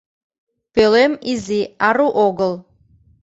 Пӧлем изи, ару огыл.